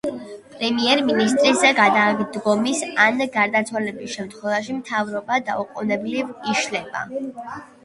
პრემიერ-მინისტრის გადადგომის ან გარდაცვალების შემთხვევაში, მთავრობა დაუყონებლივ იშლება.